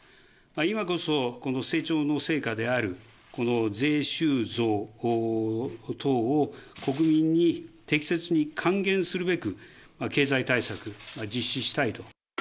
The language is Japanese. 今こそ成長の成果であるこの税収増等を、国民に適切に還元するべく、経済対策実施したいと。